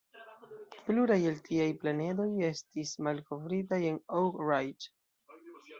Pluraj el tiaj planedoj estis malkovritaj en Oak Ridge.